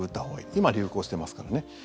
今、流行してますからね。